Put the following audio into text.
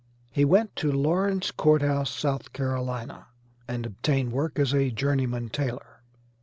He went to Lauren's Court House, South Carolina, and obtained work as a journeyman tailor.